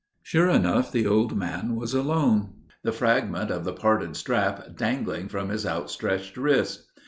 Sure enough the old man was alone, the fragment of the parted strap dangling from his outstretched wrist.